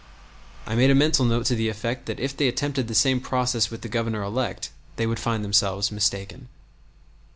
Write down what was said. I made a mental note to the effect that if they attempted the same process with the Governor elect they would find themselves mistaken.